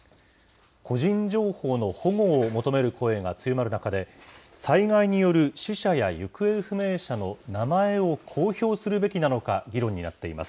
個人情報の保護を求める声が強まる中で、災害による死者や行方不明者の名前を公表するべきなのか議論になっています。